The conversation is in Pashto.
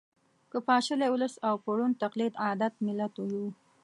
که پاشلی ولس او په ړوند تقلید عادت ملت یو